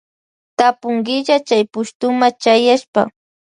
Tapunkilla Chay pushtuma chayaspa.